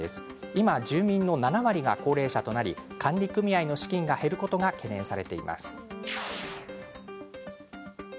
今、住民の７割が高齢者となり管理組合の資金が減ることが懸念されています。